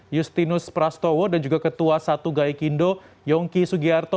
justinus prastowo dan juga ketua satu gaikindo yongki sugiarto